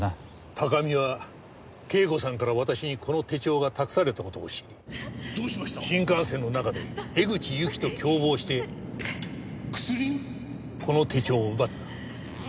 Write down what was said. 高見は啓子さんから私にこの手帳が託された事を知り新幹線の中で江口ゆきと共謀してこの手帳を奪った。